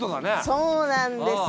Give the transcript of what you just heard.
そうなんです。